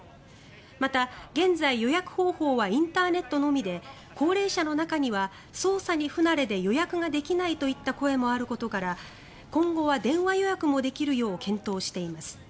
また、現在予約方法はインターネットのみで高齢者の中には操作に不慣れで予約ができないといった声もあることから今後は電話予約もできるよう検討しています。